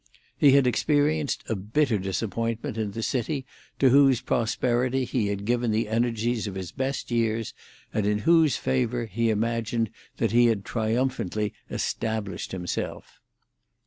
He had experienced a bitter disappointment in the city to whose prosperity he had given the energies of his best years, and in whose favour he imagined that he had triumphantly established himself.